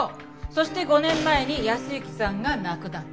そして５年前に靖之さんが亡くなった。